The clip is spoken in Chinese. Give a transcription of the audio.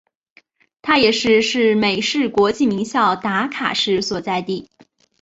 它也是是美式国际名校达卡市所在地。